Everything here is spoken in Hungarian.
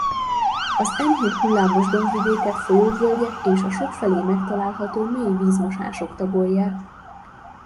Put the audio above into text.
Az enyhén hullámos dombvidéket folyóvölgyek és a sokfelé megtalálható mély vízmosások tagolják.